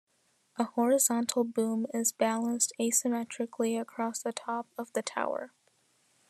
A horizontal boom is balanced asymmetrically across the top of the tower.